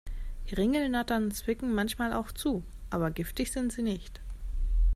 Ringelnattern zwicken manchmal auch zu, aber giftig sind sie nicht.